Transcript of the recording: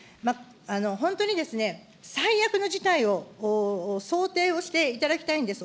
本当に最悪の事態を想定をしていただきたいんです。